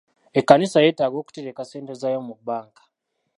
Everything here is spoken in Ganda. Ekkanisa yeetaaga okuteleka ssente zaayo mu bbanka.